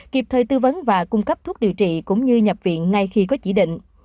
kịp thời tư vấn và cung cấp thuốc điều trị cũng như nhập viện ngay khi có chỉ định